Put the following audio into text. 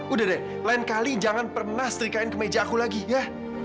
udah deh lain kali jangan pernah setrika in kemeja aku lagi ya